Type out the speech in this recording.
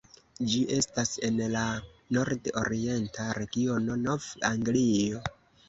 Ĝi estas en la nord-orienta regiono Nov-Anglio.